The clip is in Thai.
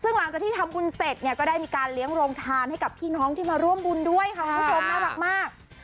ซึ่งหลังจากที่ทำบุญเสร็จเนี่ยก็ได้มีการเลี้ยงโรงทานให้กับพี่น้องที่มาร่วมบุญด้วยค่ะคุณผู้ชมน่ารักมาก